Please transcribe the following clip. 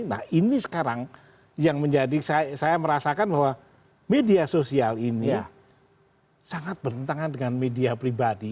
nah ini sekarang yang menjadi saya merasakan bahwa media sosial ini sangat bertentangan dengan media pribadi